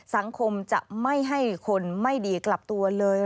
สังคมจะไม่ให้คนไม่ดีกลับตัวเลย